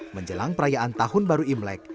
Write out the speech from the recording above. menjelang perayaan tahun baru imlek